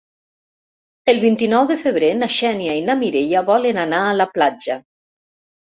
El vint-i-nou de febrer na Xènia i na Mireia volen anar a la platja.